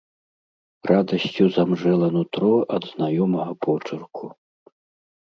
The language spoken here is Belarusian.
Радасцю замжэла нутро ад знаёмага почырку.